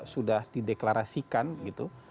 sudah di deklarasikan gitu